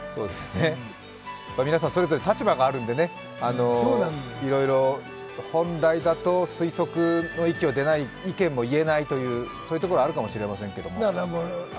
皆さん、それぞれ立場があるんでね、いろいろ本来だと推測の域を出ない意見を言えない、そういうところはあるかもしれませんけども。